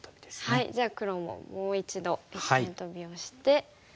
はいじゃあ黒ももう一度一間トビをして。